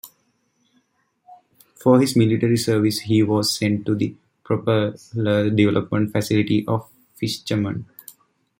For his military service he was sent to the propeller development facility of Fischamend.